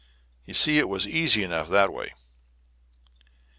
You see it was easy enough that way."